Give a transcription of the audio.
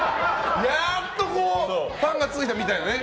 やっとファンがついたみたいなね。